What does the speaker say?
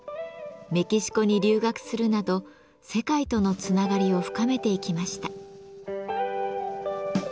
メキシコに留学するなど世界とのつながりを深めていきました。